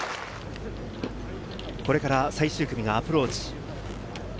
これから最終組がアプローチ。